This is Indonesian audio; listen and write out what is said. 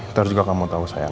ntar juga kamu tau sayang